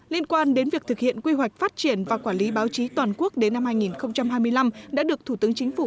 liên quan đến việc thực hiện quy hoạch phát triển và quản lý báo chí toàn quốc đến năm hai nghìn hai mươi năm đã được thủ tướng chính phủ